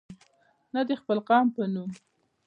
نه د خپل قوم په نوم.